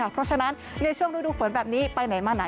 เพราะฉะนั้นในช่วงฤดูฝนแบบนี้ไปไหนมาไหน